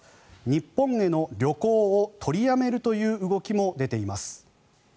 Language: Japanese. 日本への旅行を取りやめるという動きも出ています。